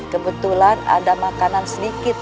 kebetulan ada makanan sedikit